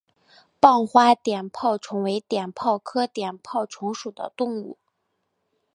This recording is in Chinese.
棒花碘泡虫为碘泡科碘泡虫属的动物。